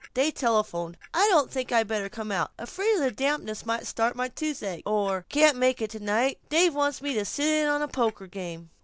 They telephoned, "I don't think I'd better come out; afraid the dampness might start my toothache," or "Guess can't make it tonight; Dave wants me to sit in on a poker game."